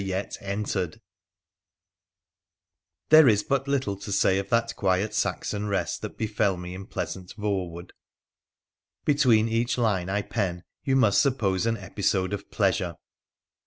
02 84 WONDERFUL ADVENTURES OF There is but little to say of that quiet Saxon rast that be fell me in pleasant Voewood. Between each line I pen you must suppose an episode of pleasure.